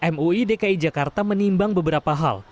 mui dki jakarta menimbang beberapa hal